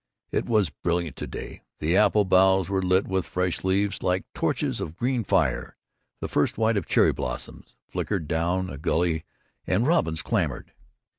It was brilliant to day; the apple boughs were lit with fresh leaves like torches of green fire. The first white of cherry blossoms flickered down a gully, and robins clamored.